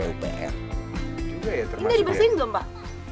ini udah dibersihin belum pak